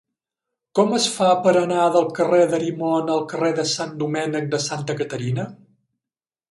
Com es fa per anar del carrer d'Arimon al carrer de Sant Domènec de Santa Caterina?